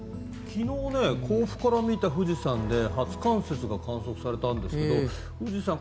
昨日、甲府から見た富士山で初冠雪が観測されたんですけど。